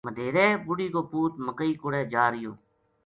مدیہرے بُڈھی کو پوت مکئی کوڑے جا رہیو